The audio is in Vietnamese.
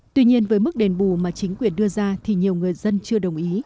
tuy nhiên với mức đền bù mà chính quyền đưa ra thì nhiều người dân chưa đồng ý